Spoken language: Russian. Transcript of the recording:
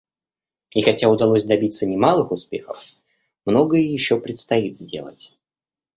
И хотя удалось добиться немалых успехов, многое еще предстоит сделать.